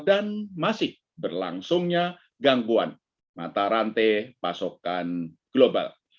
dan masih berlangsungnya gangguan mata rantai pasokan global